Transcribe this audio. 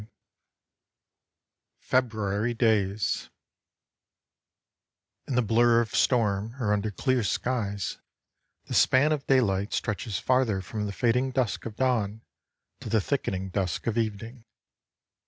LIII FEBRUARY DAYS In the blur of storm or under clear skies, the span of daylight stretches farther from the fading dusk of dawn to the thickening dusk of evening.